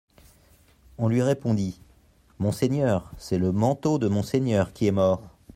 On lui répondit : monseigneur, c’est le manteau de monseigneur qui est mort.